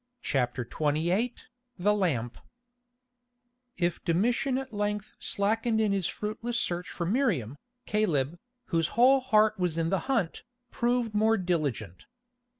CHAPTER XXVIII THE LAMP If Domitian at length slackened in his fruitless search for Miriam, Caleb, whose whole heart was in the hunt, proved more diligent.